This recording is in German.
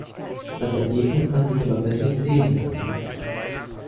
Das Ergebnis kann sich aber wirklich sehen lassen.